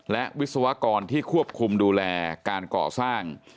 และวิศวกรที่ควบคุมดูแลการก่อสร้าง